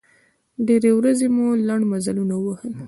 ډېرې ورځې مو لنډ مزلونه ووهل.